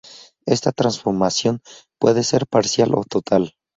Esta transformación puede ser parcial o total.